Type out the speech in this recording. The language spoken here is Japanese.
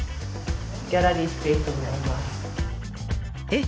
えっ？